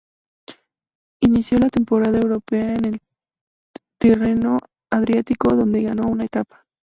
Inició la temporada europea en la Tirreno-Adriático, donde ganó una etapa.